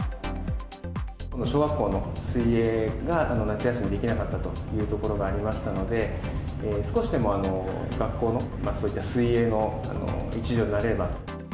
小学校の水泳が夏休みできなかったというところがありましたので、少しでも学校の、そういった水泳の一助になれれば。